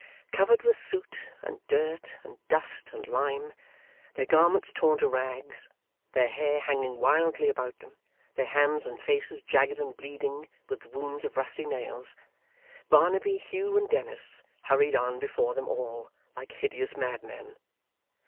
Covered with soot, and dirt, and dust, and lime; their garments torn to rags; their hair hanging wildly about them; their hands and faces jagged and bleeding with the wounds of rusty nails; Barnaby, Hugh, and Dennis hurried on before them all, like hideous madmen.